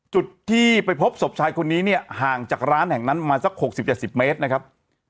จุดที่ไปพบศพชายคนนี้เนี้ยห่างจากร้านแห่งนั้นประมาณสักหกสิบจากสิบเมตรนะครับ